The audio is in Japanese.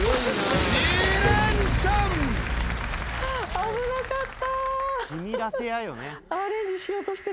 危なかった。